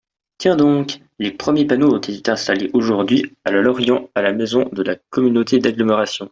tiens donc, les premiers panneaux ont été installés aujourd'hui à Lorient à la maison de la Communauté d'agglomération.